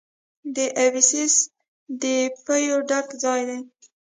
د ابسیس د پیو ډک ځای دی.